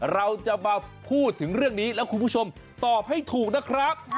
เราจะมาพูดถึงเรื่องนี้แล้วคุณผู้ชมตอบให้ถูกนะครับ